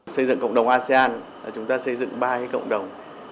xây dựng cộng đồng asean chúng ta xây dựng ba cộng đồng